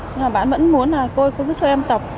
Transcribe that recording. nhưng mà bạn vẫn muốn là cô cứ cho em tập